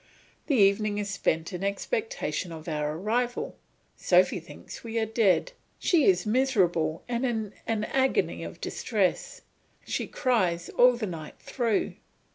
The evening is spent in expectation of our arrival. Sophy thinks we are dead; she is miserable and in an agony of distress; she cries all the night through.